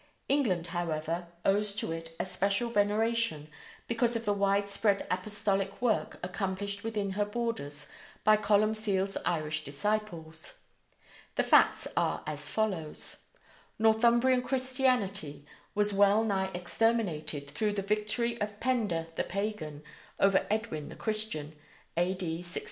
England, however, owes to it a special veneration, because of the widespread apostolic work accomplished within her borders by Columcille's Irish disciples. The facts are as follows: Northumbrian Christianity was well nigh exterminated through the victory of Penda the pagan over Edwin the Christian, A.D. 633.